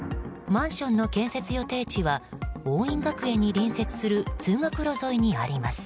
マンションの建設予定地は桜蔭学園に隣接する通学路沿いにあります。